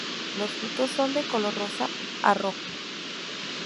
Los frutos son de color rosa a rojo.